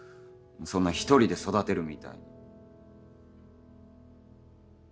そんな一人で育てるみたいに。